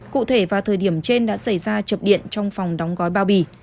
cụ thể vào thời điểm trên đã xảy ra chập điện trong phòng đóng gói bao bì